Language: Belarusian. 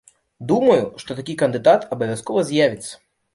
Думаю, што такі кандыдат абавязкова з'явіцца.